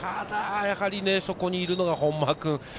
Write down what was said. ただやはりそこにいるのが本間君。